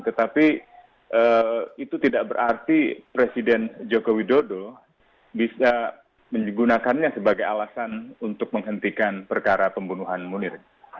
tetapi itu tidak berarti presiden joko widodo bisa menggunakannya sebagai alasan untuk menghentikan perkara pembunuhan munir